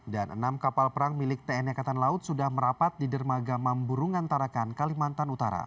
dan enam kapal perang milik tni angkatan laut sudah merapat di dermaga mamburungan tarakan kalimantan utara